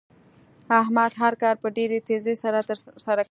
احمد هر کار په ډېرې تېزۍ سره تر سره کوي.